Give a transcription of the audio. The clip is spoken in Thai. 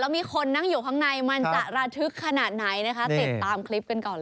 มีคนนั่งอยู่ข้างในมันจะระทึกขนาดไหนนะคะติดตามคลิปกันก่อนเลย